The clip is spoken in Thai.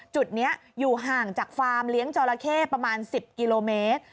จุดนี้อยู่ห่างจากฟาร์มเลี้ยงจอราเข้ประมาณ๑๐กิโลเมตร